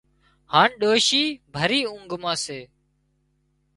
هانَ ڏوشي ڀري اونگھ مان سي